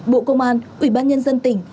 bộ công an ủy ban nhân dân tỉnh